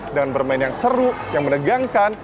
dengan bermain yang seru yang menegangkan